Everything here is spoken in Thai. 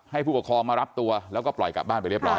ผู้ปกครองมารับตัวแล้วก็ปล่อยกลับบ้านไปเรียบร้อ